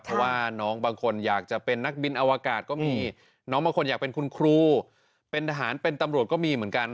เพราะว่าน้องบางคนอยากจะเป็นนักบินอวกาศก็มีน้องบางคนอยากเป็นคุณครูเป็นทหารเป็นตำรวจก็มีเหมือนกัน